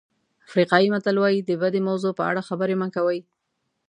افریقایي متل وایي د بدې موضوع په اړه خبرې مه کوئ.